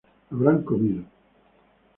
Habrán comido